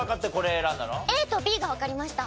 ＡとＢがわかりました。